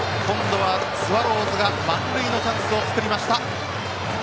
今度は、スワローズが満塁のチャンスを作りました。